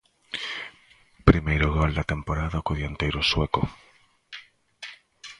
Primeiro gol da temporada do dianteiro sueco.